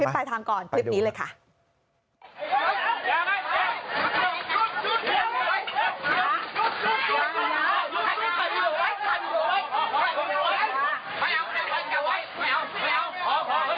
ไม่เอาไม่เอาพอพอไม่เอา